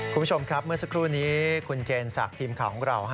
คุณผู้ชมครับเมื่อสักครู่นี้คุณเจนศักดิ์ทีมข่าวของเรา